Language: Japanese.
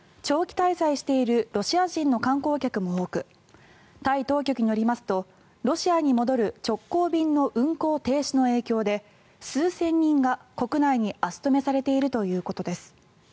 長期滞在しているロシア人の観光客も多くタイ当局によりますとロシアに戻る直行便の運航停止の影響で数千人が国内に足止めされているということです。